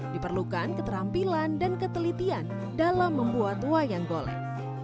diperlukan keterampilan dan ketelitian dalam membuat wayang golek